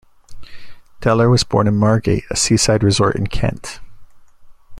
Deller was born in Margate, a seaside resort in Kent.